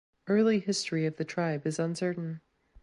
Early history of the tribe is uncertain.